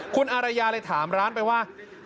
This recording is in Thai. คุณอารยาเลยถามร้านไปว่า